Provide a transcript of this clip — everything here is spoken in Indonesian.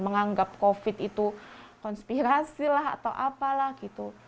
menganggap covid itu konspirasi lah atau apalah gitu